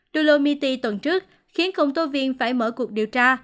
dulomity tuần trước khiến công tố viên phải mở cuộc điều tra